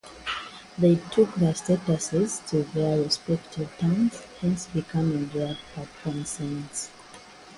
They took the statues to their respective towns, hence becoming their patron saints.